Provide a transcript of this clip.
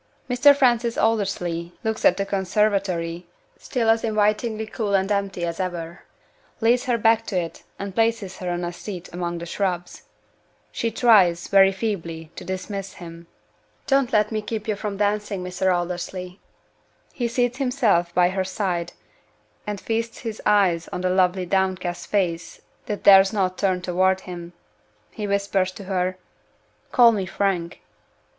Mr. Francis Aldersley looks at the conservatory (still as invitingly cool and empty as ever); leads her back to it; and places her on a seat among the shrubs. She tries very feebly to dismiss him. "Don't let me keep you from dancing, Mr. Aldersley." He seats himself by her side, and feasts his eyes on the lovely downcast face that dares not turn toward him. He whispers to her: "Call me Frank."